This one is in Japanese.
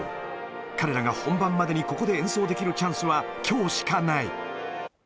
彼らが本番までにここで演奏できるチャンスはきょうしかない。